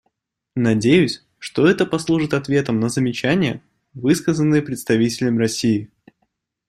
Надеюсь, что это послужит ответом на замечания, высказанные представителем России.